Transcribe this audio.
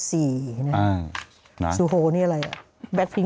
สุโฮนี่อะไร